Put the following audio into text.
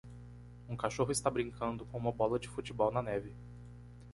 Um cachorro está brincando com uma bola de futebol na neve.